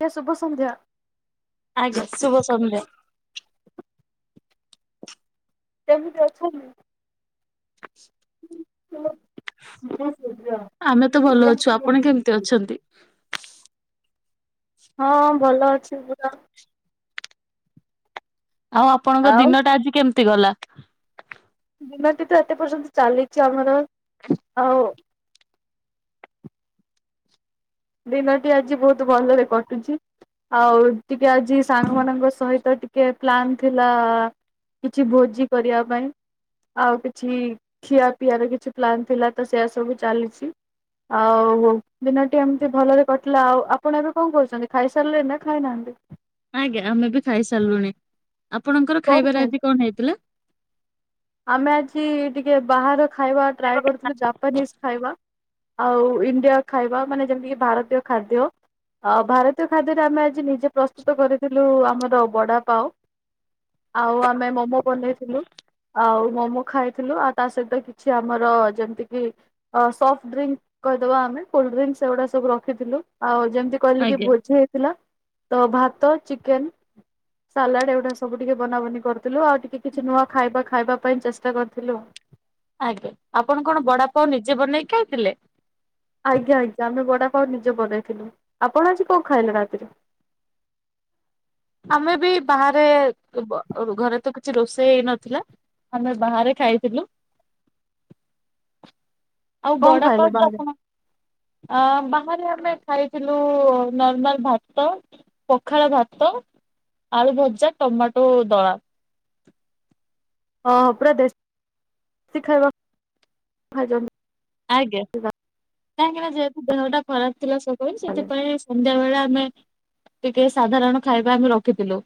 ଏ, ସୁଭ ସନନ୍ଧ୍ୟା। ଆଜ୍ଞା ଶୁଭ ସନନ୍ଧ୍ୟା। କେମିତି ଅଛନ୍ତି? [unintelligible] ସିଗ୍ର। ଆମେ ତ ଭଲ ଅଛୁ ଆପଣ କେମିତି ଅଛନ୍ତି? ହଁ ଭଲ ଅଛି ପୁରା। ଆଉ ଆପଣଙ୍କ ଆଉ ଦିନ ଟା ଆଜି କେମ୍ତି ଗଲା? ଦିନଟି ତ ଏତେ ପର୍ଯ୍ୟନ୍ତ ଚାଲିଚି ଆମର ଆଉ। ଦିନଟି ଆଜି ବହୁତ୍ ଭଲରେ କଟୁଛି। ଆଉ ଟିକେ ଆଜି ସାଙ୍ଗ ମାନଙ୍କ ସହିତ ଟିକେ ପ୍ଲାନ୍ ଥିଲା। କିଛି ଭୋଜି କରିବା ପାଇଁ। ଆଉ କିଛି ଖିଆ ପିଆରେ କିଛି ପ୍ଲାନ୍ ଥିଲା ତ ସେୟା ସବୁ ଚାଲିଛି। ଆଉ ହଉ ଦିନଟି ସେଏ ଭଲରେ କଟିଲା। ଆଉ ଆପଣ ଏବେ କଣ କରୁଛନ୍ତି? ଖାଇସାରିଲେ ନାଁ ଖାଇନାହାନ୍ତି? ଆଜ୍ଞା ଆମେ ବି ଖାଇ ସାରିଲୁଣି ଆପଣଙ୍କର କଣ ଖାଇ ଖାଇବାର ଆଜି କଣ ହେଇଥିଲା? ଆମେ ଆଜି ଟିକେ ବାହାର ଖାଇବା ଟ୍ରାଏ କରିଥିଲୁ ଜାପାନିଶ ଖାଇବା। ଆଉ ଇଣ୍ଡିଆ ଖାଇବା ମାନେ ଯେମ୍ତି କି ଭାରତୀୟ ଖାଦ୍ୟ। ଆଉ ଭାରତୀୟ ଖାଦ୍ୟରେ ଆମେ ଆଜି ନିଜେ ପ୍ରସ୍ତୁତ କରିଥିଲୁ, ଆମର ବଡ଼ବାପା ଆଉ ଆଉ ଆମେ ମୋମୋ ବନେଇଥିଲୁ। ଆଉ ମୋମୋ ଖାଇଥିଲୁ, ଆଉ ତା ସହିତ କିଛି ଆମର ଯେମିତି କି ଆଉ ସଫ୍ଟ ଡ୍ରିଙ୍କ କହିଦେବା ଆମେ କୋଲଡ୍ରିଙ୍କସ୍ ସେଗୁଡା ସବୁ ରଖିଥିଲୁ ଆଉ ଯେମ୍ତି କଲି କି ଆଜ୍ଞା। ବୁଝି ହେଇଥିଲା ତ ଭାତ ଚିକେନ? ସାଲାଡ ଏଗୁଟା ସବୁ ଟିକେ ବନା ବନି କରିଥିଲୁ ଆଉ ଟିକେ କିଛି ନୂଆ ଖାଇବା। ଖାଇବା ପାଇଁ ଚେଷ୍ଟା କରିଥିଲୁ। ଆଜ୍ଞା, ଆପଣ କଣ ବଡାପଓ ନିଜେ ବନେଇକି ଖାଇଥିଲେ? ଆଜ୍ଞା ଆଜ୍ଞା, ଆମେ ବଡାପାଓ ନିଜେ ବନେଇଥିଲୁ। ଆପଣ ଆଜି କଣ ଖାଇଲେ ରାତିରେ? ଆମେ ବି ବାହାରେ [unintelligible] ଘରେ ତ କିଛି ରୋଷେଇ ହେଇ ନଥିଲା। ଆମେ ବାହାରେ ଖାଇଥିଲୁ। ଆଉ କଣ ଖାଇଲେ ବଡପାଓ ଯଉ ବାହାରେ ଆପଣ ଅଁ, ବାହାରେ ଆମେ ଖାଇଥିଲୁ ନର୍ମାଲ ଭାତ। ପଖାଳ ଭାତ, ଆଳୁ ଭଜା, ଟମାଟୋ ଦଳା। [unintelligible] ପୂରା ଦେଶ୍ ଶି ଖାଇବା ଖାଇ ଥିଲୁ। ଆଜ୍ଞା, କାହିଁକି ନାଁ ଯେହେତୁ ଦେହ ଟା ଖରାପ ଥିଲା [unintelligible] ତାହେଲେ। ସେଥିପାଇଁ ସନ୍ଧ୍ୟା ବେଳେ ଆମେ ଟିକେ ସାଧାରଣ ଖାଇବା ଆମେ ରଖିଥିଲୁ।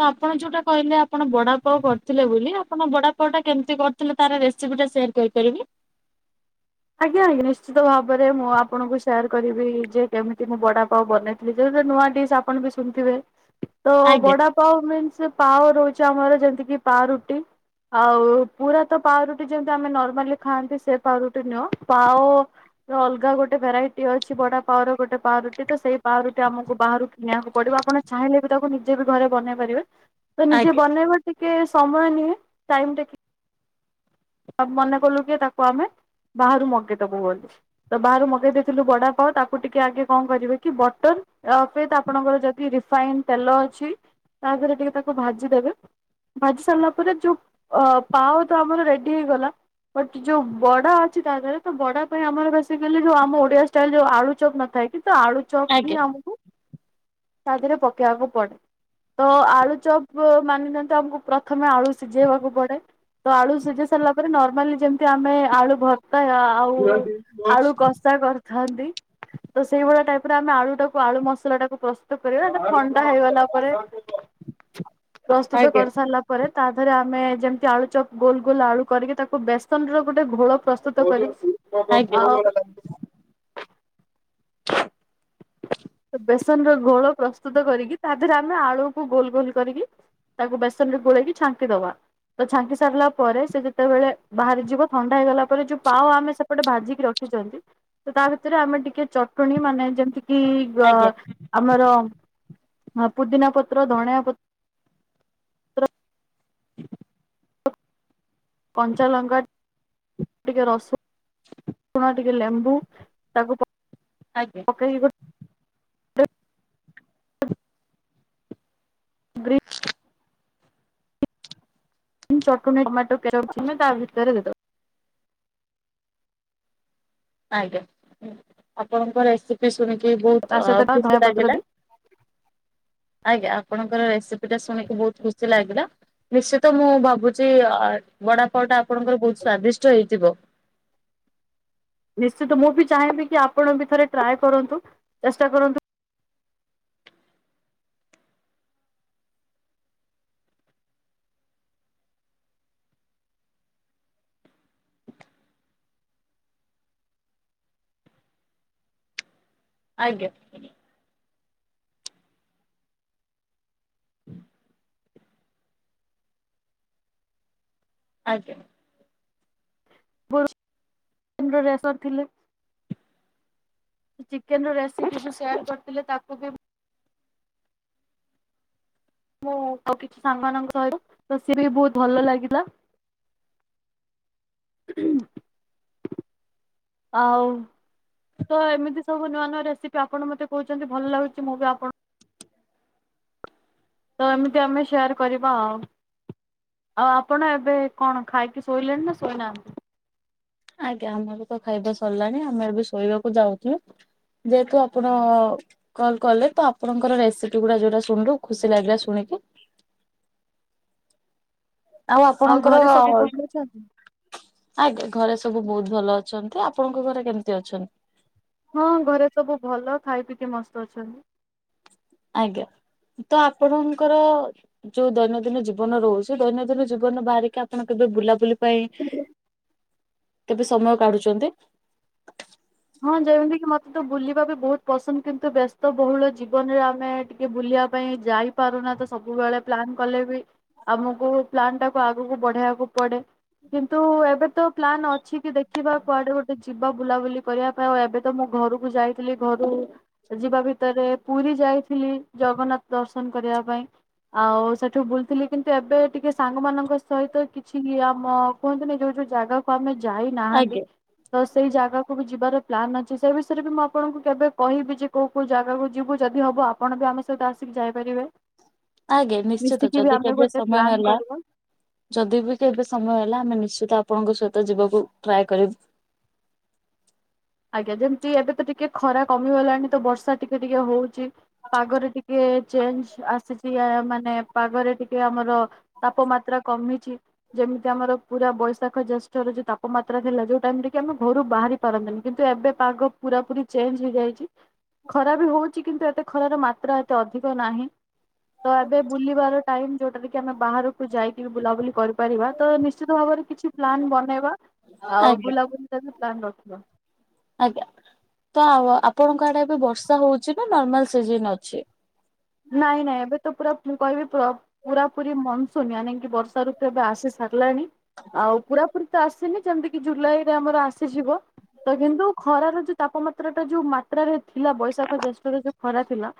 ତ ଆପଣ ଯୋଉଟା କହିଲେ, ଆପଣ ବଡାପଓ କରିଥିଲେ ବୋଲି, ଆପଣ ବଡାପାଓ ଟା କେମିତି କର୍? ତେଲେ ତାର ରେସୋପି ଟା ସେୟାର କରିପାରିବେ ଆଜ୍ଞା, ଆଜ୍ଞା, ନିଶ୍ଚିତ ଭାବରେ ମୁଁ ଆପଣଙ୍କୁ ସେୟାର କରିବି ଯେ କେମିତି ମୁଁ ବଡା ପାଓ ବନେତ୍। ନିଜତ ନୂଆ ଡିସ୍ ଆପଣ ବି ଶୁଣିଥିବେ ତ, ଆଜ୍ଞା ବଡାପ୍? ପାଓ ମିନ୍ସ ପାଓ ରହୁଛି ଆମର ଯେମିତି କିି ପାଓ ରୁଟି। ଆଉ ପୁରା ତ ପାଉଁରୁଟି ଯେମିତି ଆମେ ନର୍ମାଲି ଖାଆନ୍ତି ସେ ପାଉଁରୁଟି ନୁହଁ ପାଓ ଅଲଗା ଗୋଟେ ଭେରାଇଟି ଅଛି ବଡା ପାଓ ର ଗୋଟେ ପାଉାରୁଟି ତ ସେଇ ପାଉାରୁଟି ଆମକୁ ବାହାରୁ କିଣିବାକୁ ପଡିବ ଆପଣ ଚାହିଁଲେ ବି ତାକୁ ନିଜେ ବି ଘରେ ବନେଇ ପାରିବେ। ତ ନିଜେ ଆଜ୍ଞା ବନେଇବ ଟିକେ ସମୟ ନିଏ ଟାଇମ୍ ଟିକେ ତାକୁ ମନେ କଲୁ କି ତାକୁ ଆମେ ବାହାରୁ ମଗେଇଦବୁ ବୋଲି। ତ ବାହାରୁ ମଗେଇ ଦେଇେଇଥିଲୁ ବଡାପାଓ ତାକୁ ଟିକେ ଆଗେ କଣ କରିବେ କି ବଟର [unintelligible] ଆପଣଙ୍କର ଯଦି ରିଫାଇନ୍ ତେଲ ଅଛି ତା ଦେହରେ ଟିକେ ତାକୁ ଭାଜିଦେବେ। ଭାଜି ସାରିଲା ପରେ ଯୋଉ ଅ ପାଓ ତ ଆମର ରେଡି ହେଇଗଲା। ବଟ୍ ଯୋଉ ବଡା ଅଛି ତା ଦେହରେ ତ ବଡା ପାଇଁ ଆମର ବେସିକାଲି ଯୋଉ ଆମ ଓଡିଆ ଷ୍ଟାଇଲ୍ ଯୋଉ ଆଳୁ ଚପା ନଥାଏ କି? ତ ଆଳୁ ଚପ୍ ହିଁ ଆଜ୍ଞା ଆମକୁ ତା ଦେହରେ ପକେଇବାକୁ ପଡେ ତ ଆଳୁ ଚପ୍ ତ ମାନି ନିଅନ୍ତୁ ଆମକୁ ପ୍ରଥମେ ଆଳୁ ସିଝେଇବାକୁ ପଡେ ତ ଆଳୁ ସିଝେଇ ସାରିଲା ପରେ ନରର୍ମାଲି ଯେମିତି ଆମେ ଆଳୁ ଭର୍ତ୍ତା ଆଉ ଆଳୁ କ କସା କରିଥାନ୍ତି। ତ ସେଇଭଳିଆ ଟାଇପ୍ ର ଆମେ ଆଳୁ ଟାକୁ ଆଳୁ ମସଲା ଟାକୁ ପ୍ରସ୍ତୁତ କରିବା ତ ଥଣ୍ଡା ହେଇଗଲା ପରେ ପ୍ରସ୍ତୁତ ଆଜ୍ଞା କରିସାରିଲା ପରେ ତା ଦେହରେ ଆମେ ଯେମିତି ଆଳୁ ଚପ୍ ଗୋଲ ଗୋଲ ଆଳୁ କରିକି ତାକୁ ବେସନ ର ଗୋଟେ ଘୋଳ ପ୍ରସ୍ତୁତ କରି ଆଜ୍ଞା ଆ ବେସନ ର ଗୋଳ ପ୍ରସ୍ତୁତ କରିକି ତା ଦେହରେ ଆମେ ଆଳୁ କୁ ଗୋଲ ଗୋଲ କରିକି ତାକୁୁ ବେସନରେ ଗୋଳିି କି ଛାଙ୍କିଦବା। ତ ଛାଙ୍କି ସାରିଲା ପରେ ସେ ଯେତେବେଳେ ବାହାରି ଯିବ ଥଣ୍ଡା ହେଇଗଲା ପରେ ଯୋଉ ପାଓ ଆମେ ଗୋଟେ ଭାଜିକି ରଖିଛନ୍ତି ତ ତା ଭିତରେ ଆମେ ଟିକେ ଚଟଣୀ ମାନେ ଯେମିତି କି ଆଜ୍ଞା ଆମର ପୁଦିନା ପତ୍ର ଧଣିଆ ପତ୍ର କଞ୍ଚାଲଙ୍କା ଟିକେ ରସୁଣୁଣ ଟିକେ ଲେମ୍ବୁ ତାକୁ ପ ଆଜ୍ଞା। ପକେଇବ ଗ୍ରୀନ ଚଟଣି ଟମାଟୋ କେଚପ୍ ଥିଲେ ତା ଭିତରେ ଦେଇଦବ। ଆଜ୍ଞା ଆପଣଙ୍କ ରେସିପି ଶୁଣିକି ତା ବହୁତ୍ ସହିତ ଧଣିଆ ଖୁସି ପତ୍ର ଲାଗିଲା। ଆଜ୍ଞା ଆପଣଙ୍କର ରେସିପି ଟା ଶୁଣିକି ବହୁତ୍ ଖୁସି ଲାଗିଲା। ନିଶ୍ଚିନ୍ତ ମୁଁ ଭାବୁଛି ବଡାପାଓ ଟା ଆପଣଙ୍କର ବହୁତ୍ ସ୍ଵାଦିଷ୍ଟ ହେଇଥିବ। ନିଶ୍ଚିନ୍ତ ମୁଁ ବି ଚାହିଁବି କି ଆପଣ ବି ଥରେ ଟ୍ରାଏ କରନ୍ତୁ ଚେଷ୍ଟା କରନ୍ତୁ। ଆଜ୍ଞା। ଆଜ୍ଞା। ପୂରୁ ରେସର ଥିଲେ। ଚିକେନ୍ ର ରେସିପି ଯୋଉ ସେୟାର କରିଥିଲେ ତାକୁ ବି ମୁଁ ତ କିଛି ସାଙ୍ଗ ମାନଙ୍କ ସହିତ ତ ସିଏ ବି ବହୁତ୍ ଭଲ ଲାଗିଲା। ହୁଁ ହୁଁ ଆଉ। ତ ଏମିତି ସବୁ ନୂଆ ନୂଆ ରେସିପି ଆପଣ ମତେ କହୁଛନ୍ତି ଭଲ ଲାଗୁଛି ମୁଁ ବି ଆପଣ ତ ଏମିତି ଆମେ ସେୟାର କରିବା ଆଉ। ଆଉ ଆପଣ ଏବେ କଣ ଖାଇକି ଶୋଇଲେଣି ନା ଶୋଇନାହାନ୍ତି? ଆଜ୍ଞା ଆମର ତ ଖାଇବା ସରିଲାଣି ଆମେ ଏବେ ଶୋଇବାକୁ ଯାଉଛୁ। ଯେହେତୁ ଆପଣ କଲ୍ କଲେ ତ ଆପଣଙ୍କର ରେସିପି ଗୁଡା ଯୋଉରା ଶୁଣିଲୁ ଖୁସି ଲାଗିଲା ଶୁଣିକି। ଆଉ ଆପଣଙ୍କର ଘରେ ସବୁ ଭଲ ଅଛନ୍ତି? ଆଜ୍ଞା ଘରେ ସବୁ ବହୁତ ଭଲ ଅଛନ୍ତି। ଆପଣଙ୍କ ଘରେ କେମିତି ଅଛନ୍ତି? ହଁ ଘରେ ସବୁ ଭଲ ଖାଇ ପିଇିକି ମସ୍ତ ଅଛନ୍ତି। ଆଜ୍ଞା ତ ଆପଣଙ୍କର ଯୋଉ ଦୈନଦିନ ଜୀବନ ରହୁଛି ଦୈନଦିନ ଜୀବନ ରୁ ବାହାରିକି ଆପଣ କେବେ ବୁଲାବୁଲି ପାଇଁ କେବେ ସମୟ କାଢୁଛନ୍ତି? ହଁ ଯେମିତି କିି ମତେ ତ ବୁଲିବା ବି ବହୁତ ପସନ୍ଦ କିନ୍ତୁ ବ୍ୟସ୍ତ ବହୁଳ ଜୀବନରେ ଆମେ କି ବୁଲିବା ପାଇଁ ଯାଇପାରୁନା। ତ ସବୁବେଳେ ପ୍ଲାନ କଲେ ବି ଆମକୁ ପ୍ଲାନ୍ ଟାକୁ ଆଗକୁ ବଢେଇବାକୁ ପଡେ। କିନ୍ତୁ ଏବେ ତ ପ୍ଲାନ୍ ଅଛି କି ଦେଖିବା କୁଆଡେରେ ଗୋଟେ ଯିବା ବୁଲାବୁଲି କରିବା ପାଇଁ ଆଉ ଏବେ ତ ମୁଁ ଘରକୁ ଯାଇଥିଲି ଘରୁ ଯିବା ଭିତରେ ପୁରୀ ଯାଇଥ ଥିଲି। ଜଗନ୍ନାଥ ଦର୍ଶନ କରିବା ପାଇଁ। ଆଉ ସେଠୁ ବୁଲଥିଲି। କିନ୍ତୁ ଏବେ ଟିକେ ସାଙ୍ଗ ମାନଙ୍କ ସହିତ କିଛି ଇଏ ଆମ କୁହନ୍ତୁନି। ଯୋଉ ଯୋଉ ଜାଗାକୁ ଆମେ ଯାଇନାହାନ୍ତି ଆଜ୍ଞା ତ ସେଇ ଜାଗାକୁ କୁ ବି ଯିବାର ପ୍ଲାନ୍ ଅଛି। ସେ ବିଷୟରେ ବି ମୁଁ ଆପଣଙ୍କୁ କେବେ କହିବି ଯେ କୋଉ କୋଉ ଜାଗାକୁ ଯିବୁ ଯଦି ହବ ଆପ ପଣ ବି ଆମେ ସହିତ ଆସିକି ଯାଇପାରିବେ। ଆଜ୍ଞା ନିଶ୍ଚିତ ମିଶିକି ବି ଯଦି ଆମେ କେବେ ଗୋଟେ ସମୟ ପ୍ଲାନ୍ ହେଲା କରିବା ଯଦି ବି କେବେ ସମୟ ହେଲା ଆମେ ନିଶ୍ଚିତ ଆପଣଙ୍କ ସହିତ ଯିବାକୁ ଟ୍ରାଏ କରିବୁ। ଆଜ୍ଞା। ଯେମିତି ଏବେ ତ ଟିକେ ଖରା କମିଗଲାଣି ତ ବର୍ଷା ଟିକେ ଟିକେ ହଉଛି। ପାଗରେ ଟିକେ ଚେଞ୍ଜ ଆସିଛି ଆ ମାନେ ପାଗରେ ଟିକେ ଆମର ତାପମାତ୍ରା କମିଛି। ଯେମିତି ଆମର ପୁରା ବୈଶାଖ ଜେଷ୍ଠର ଯୋଉ ତାପମାତ୍ରା ଥିଲା ଯୋଉ ଟାଇମ୍ ରେ କି ଆମେ ଘରୁ ବାହାରି ପାରନ୍ତିନି। କିନ୍ତୁ ଏବେ ପାଗ ପୁରା ପୁରି ଚେଞ୍ଜ ହେଇଯାଇଛି। ଖରା ବି ହୋଉଛି। କିନ୍ତୁ ଏତେ ଖରାର ମାତ୍ରା ଏତେ ଅଧିକ ନାହିଁ। ତ ଏବେ ବୁଲିବାର ଟାଇମ୍। ଯୋଉଟାରେ କି ଆମେ ବାହାରକୁ ଯାଇକି ବି ବୁଲାବୁଲି କରିପାରିବା। ତ ନିଶ୍ଚିତ ଭାବରେ କିଛି ପ୍ଲାନ୍ ବନେଇବା। ଆଉ ଆଜ୍ଞା ବୁଲାବୁଲି ଟା ବି ପ୍ଲାାନ ରଖିବା। ଆଜ୍ଞା। ତ ଆପଣଙ୍କ ଆଡେ ଏବେ ବର୍ଷା ହୋଉଛି ନା ନର୍ମାଲ ସିଜିନ୍ ଅଛି? ନାଇଁ ନାଇଁ ଏବେ ତ ପୁରା ମୁଁ କହିବି ପୁର ପୁରା ପୁରି ମ ଶୋନିଆ ନେଇକି ବର୍ଷା ଋତୁ ଏବେ ଆସି ସାରିଲାଣି। ଆଉ ପୁରା ରି ତ ଆସିନି। ଯେମିତି କି ଜୁଲାଇରେ ଆମର ଆସିଯିବ। ତ କିନ୍ତୁ ଖରା ର ଯୋ ତାପମାତ୍ରା ଟା ଯୋଉ ମାତ୍ରାରେ ଥିଲା। ବୈଶାଖ ଜେଷ୍ଠରେ ଯୋଉ ଖରା ଥିଲା।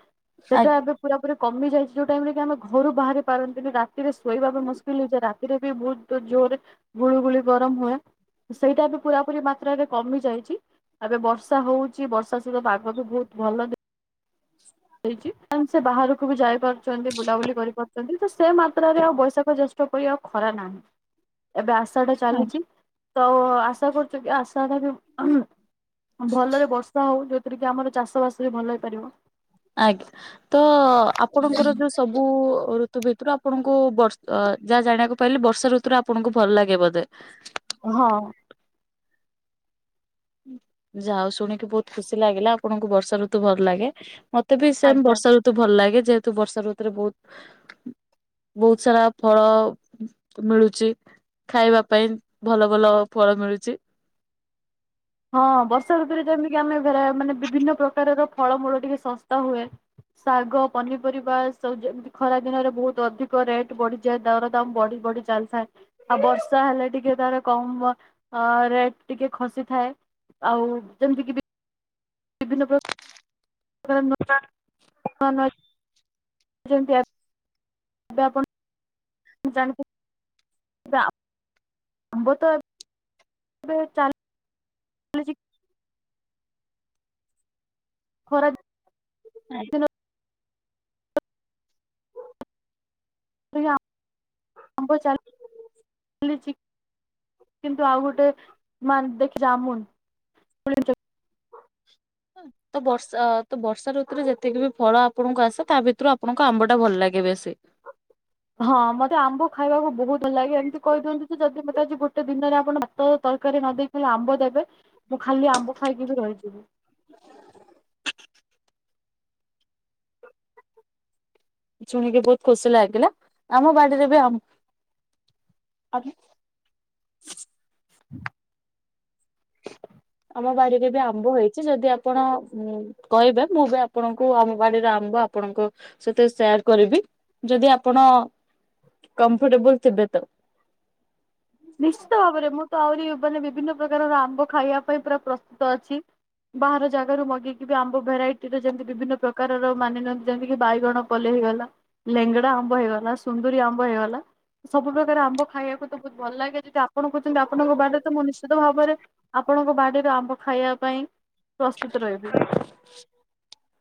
ସେଟା ଆଜ୍ଞା ଏବେ ପୁରା ପୁରି କମି ଯାଇଛି। ଯୋଉ ଟାଇମ୍ ରେ କି ଆମେ ଘରୁ ବାହାରି ପାରନ୍ତିୁନି। ରାତିରେ ଶୋଇବା ବି ମୁସ୍କିଲ ହେଇଯାଏ। ରାତିରେ ବି ବହୁତ ତ ଜୋରେ ଗୁଳୁଗୁଳିୁ ଗରମ ହୁଏ। ସେଇଟା ବି ପୁରାପୁରି ମାତ୍ରାରେ କମି ଯାଇଛି। ଏବେ ବର୍ଷା ହୋଉଛି। ବର୍ଷା ସହିତ ପାଗ ବି ବୋହୁତ ଭଲ ଦେ [unintelligible] ହେଛି ଆଣ୍ଡ ସେ ବାହାରକୁ ବି ଯାଇ ପାରୁଛନ୍ତି ବୁଲାବୁଲି କରିପାରୁ ଛନ୍ତି। ତ ସେ ମାତ୍ରାରେ ଆଉ ବୈଶାଖ ଜ୍ୟେଷ୍ଠ ପରି ଆଉ ଖରା ନାହିଁ। ଏବେ ଆସ ଆଶା ଟା ଆଜ୍ଞା। ଚାଲିଛି। ତ ଆଶା କରୁଛୁ କି ଆଶା ଟା ବି ଭଲରେ ବର୍ଷା ହୋଉ ଯଉଥିରେ କି ଆମର ଚାଷବାସ ବି ଭଲ ହେଇପାରିବ। ଆଜ୍ଞା। ତ ଆପଣଙ୍କର ଯୋଉ ସ ସବୁ ଋତୁ ଭିତରୁ ଆପଣଙ୍କୁ ବଷ ଯାହା ଜାଣିବାକୁ ପାଇଲି। ବର୍ଷା ଋତୁରେ ଆପଣଙ୍କୁ ଭଲ ଲାଗେ ବୋଧେ? [unintelligible] ହଁ। ଯାହା ହୋଉ ଶୁଣିକି ବୋହୁତ ଖୁସି ଲାଗିଲା ଆପଣଙ୍କୁ ବର୍ଷା ଋତୁ ଭଲ ଲାଗେ। ମତେ ବି ସେମ ଆଜ୍ଞା ବର୍ଷା ଋତୁ ଭଲ ଲାଗେ ଯେହେତୁ ବର୍ଷା ଋତୁରେ ବହୁତ ବହୁତ ସାରା ଫଳ ମିଳୁଛି। ଖାଇବା ପାଇଁ ଭଲ ଭଲ ଫଳ ମିଳୁଛି। ହଁ ବର୍ଷା ଋତୁରେ ଯେମତି ଆମେ [unintelligible] ମାନେ ବିଭିନ୍ନ ପ୍ରକାରର ଫଳମୂଳ ଟିକେ ଶସ୍ତା ହୁଏ। ଶାଗ ପନିପରିବା [unintelligible] ଖରା ଦିନରେ ବହୁତ ଅଧିକ ରେଟ୍ ବଢିଯାଏ ଦର ଦାମ ବଢି ବଢି ଚାଲିଥାଏ। ଆଉ ବର୍ଷା ହେଲେ ଟିକେ ତାର କମ ରେଟ୍ ଟିକେ ଖସିଥାଏ। ଆଉ ଯେମିତିକି ବି ବିଭିନ୍ନ ପ୍ର [unintelligible] ନାଁ [unintelligible] ନୂଆ ନୂଆ ଯେମିତି ଆର୍ ଏବେ ଆପଣ ଜାଣି [inaudible] [unintelligible] ଆମ୍ୱ ତ ଏବେ ଚାଲ୍ ଚାଲିଛି। ଖରା ଆଜ୍ଞ୍ ଦିନ [inaudible] ଆମ୍ବ ଚାଲ୍, ଚାଲିଛି। କିନ୍ତୁ ଆଉ ଗୋଟେ ମା ଦେଖି ଜାମୁନ୍ [inaudible] ତ ବର୍ଷା ଅ ତ ବର୍ଷା ଋତୁରେ ଯେତିକି ବି ଫଳ ଆପଣଙ୍କୁ ଆସେ ତା ଭିତରୁ ଆପଣଙ୍କୁ ଆମ୍ବଟା ଭଲ ଲାଗେ ବେଶୀ। ହଁ ମତେ ଆମ୍ବ ଖାଇବାକୁ ବହୁତ ଭଲ ଲାଗେ ଏମିତି କହିଦିଅନ୍ତୁ ଯେ ଯଦି ମତେ ଆଜି ଗୋଟେ ଦିନରେ ଆପଣ ଭାତ ତରକାରୀ ନ ଦେଇ ହେଲେ ଆମ୍ବ ଦେବେ ମୁଁ ଖାଲି ଆମ୍ବ ଖାଇକି ବି ରହିଯିବି। ଶୁଣିକି ବହୁତ ଖୁସି ଲାଗିଲା, ଆମ ବାଡିରେ ବି ଆମ୍, ଆଜ୍ଞା [unintelligible] ଆମ ବାଡିରେ ବି ଆମ୍ବ ହେଇଛି ଯଦି ଆପଣ ଉଁ କହିବେ ମୁଁ ବି ଆପଣଙ୍କୁ ଆମ ବାଡିର ଆମ୍ବ ଆପଣଙ୍କ ସହିତ ଶେୟାର କରିବି। ଯଦି ଆପଣ, କମ୍ଫଟେବୁଲ୍ ଥିବେ ତ ନିଶ୍ଚିତ ଭାବରେ ମୁଁ ତ ଆହୁରି ମାନେ ବିଭିନ୍ନ ପ୍ରକାରର ଆମ୍ବ ଖାଇବା ପାଇଁ ପୁରା ପ୍ରସ୍ତୁତ ଅଛି। ବାହାର ଜାଗାରୁ ମଗେଇକି ବି ଆମ୍ବ ଭେରାଇଟିର ଯେମିତି ବିଭିନ୍ନ ପ୍ରକାରର ମାନି‌ ନିଅନ୍ତୁ ଯେମିତିକି ବାଇଗଣ ପଲେଇ ହେଇଗଲା ଲେଙ୍ଗଡା ଆମ୍ବ ହେଇଗଲା ସୁନ୍ଦୁରୀ ଆମ୍ବ ହେଇଗଲା। ସବୁ ପ୍ରକାର ଆମ୍ବ ଖାଇବାକୁ ତ ବହୁତ ଭଲ ଲାଗେ ଯଦି ଆପଣ କହୁଛନ୍ତି ଆପଣଙ୍କ ବାଡିରେ ତ ମୁଁ ନିଶ୍ଚିତ ଭାବରେ ଆପଣଙ୍କ ବାଡିର ଆମ୍ବ ଖାଇବା ପାଇଁ, ପ୍ରସ୍ତୁତ ରହିବି।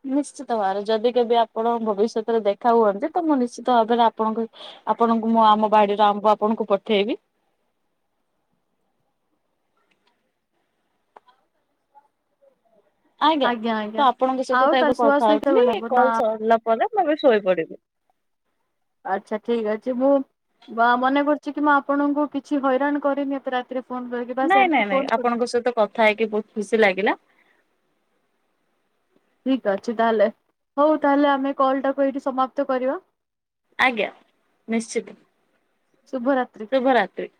ନିଶ୍ଚିତ ଭାବରେ, ଯଦି କେବେ ଆପଣ ଭବିଷ୍ୟତରେ ଦେଖା ହୁଅନ୍ତି ତ ମୁଁ ନିଶ୍ଚିତ ଭାବରେ ଆପଣଙ୍କୁ ଆପଣଙ୍କୁ ମୁଁ ଆମ ବାଡିର ଆମ୍ବ ଆପଣଙ୍କୁ ପଠେଇବି। ଆଜ୍ଞା, ତ ଆପଣଙ୍କ ସହିତ ଆଉ ତ ତାହେଲେ ଏବେ କଥା ଶୁଆଶୁଇ କେତେବେଳେ ହଉଥିଲି ହବ ନା କଲ ସରିଲା ପରେ ମୁଁ ବି ଶୋଇପଡିବି। ଆଚ୍ଛା ଠିକ୍ ଅଛି ମୁଁ ବା ମନେ କରୁଛି କି ମୁଁ ଆପଣଙ୍କୁ କିଛି ହଇରାଣ କରିନି ଏତେ ରାତିରେ ଫୋନ କରିକି ବାସ୍ ଏମିତି ଫୋନ ନାଇଁ-ନାଇଁ-ନାଇଁ କରିଦେଲି। ଆପଣଙ୍କ ସହିତ କଥା ହେଇକି ବହୁତ ଖୁସି ଲାଗିଲା। ଠିକ ଅଛି ତାହେଲେ, ହଉ ତାହେଲେ ଆମେ କଲ୍ ଟାକୁ ଏଇଠି ସମାପ୍ତ କରିବା। ଆଜ୍ଞା ନିଶ୍ଚିତ, ଶୁଭରାତ୍ରି। ଶୁଭରାତ୍ରି।